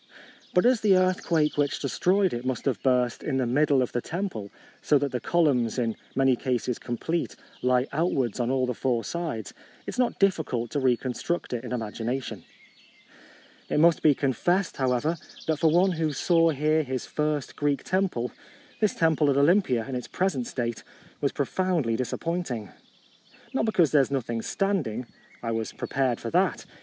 But as the earthquake which de stroyed it must have burst in the middle of the temple, so that the columns, in many cases complete, lie outwards on all the four sides, it is not difficult to reconstruct it in imagination. It must be confessed, however, that for one who saw here his first Greek temple, this temple at Olympia in its present state was profoundly disappointing. Not be cause there is nothing standing ; I was prepared for that.